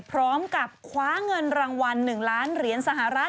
พร้อมกับคว้าเงินรางวัล๑ล้านเหรียญสหรัฐ